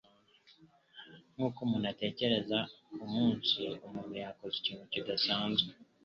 Nkuko umuntu atekereza umunsi umuntu yakoze ikintu kidasanzwe.